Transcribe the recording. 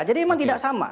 jadi memang tidak sama